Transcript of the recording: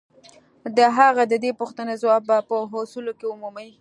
د هغه د دې پوښتنې ځواب به په اصولو کې ومومئ.